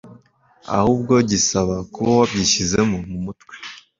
ahubwo gisaba kuba wabyishyizemo mu mutwe